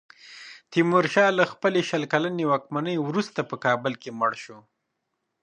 تیمورشاه له خپلې شل کلنې واکمنۍ وروسته په کابل کې مړ شو.